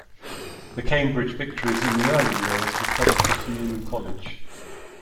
The Cambridge victories in the early years were credited to Newnham College.